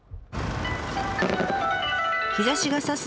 日ざしがさす